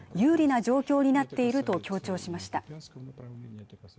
ロシア軍が有利な状況になっていると強調しました